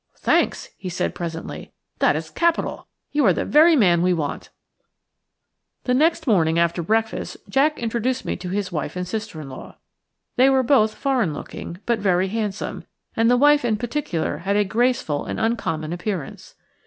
"Thanks," he said presently, "that is capital. You are the very man we want." The next morning after breakfast Jack introduced me to his wife and sister in law. They were both foreign looking, but very handsome, and the wife in particular had a graceful and uncommon appearance.